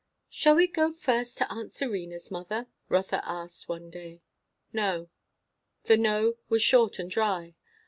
"Shall we go first to aunt Serena's, mother?" Rotha asked one day. "No." The "no" was short and dry.